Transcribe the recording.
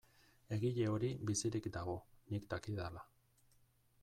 Egile hori bizirik dago, nik dakidala.